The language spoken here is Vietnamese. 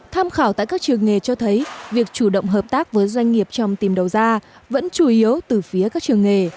tham khảo tại các trường nghề cho thấy việc chủ động hợp tác với doanh nghiệp trong tìm đầu ra vẫn chủ yếu từ phía các trường nghề